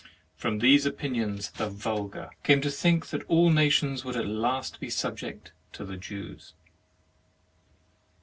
From these opinions the vulgar came to think that all nations would at last be subject to the Jews.